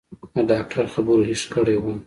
د ډاکتر خبرو هېښ کړى وم.